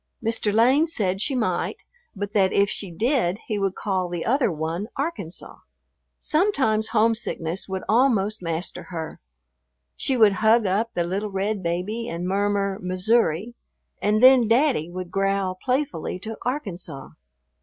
Mr. Lane said she might, but that if she did he would call the other one "Arkansas." Sometimes homesickness would almost master her. She would hug up the little red baby and murmur "Missouri," and then daddy would growl playfully to "Arkansas."